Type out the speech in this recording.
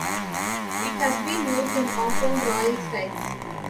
It has been used in compound royal styles.